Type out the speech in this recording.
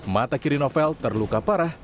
mata kiri novel terluka parah